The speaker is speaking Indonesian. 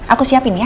aku siapin ya